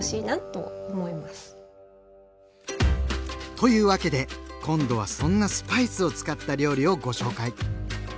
というわけで今度はそんなスパイスを使った料理をご紹介。